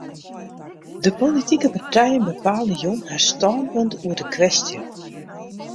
De politike partijen bepale jûn har stânpunt oer de kwestje.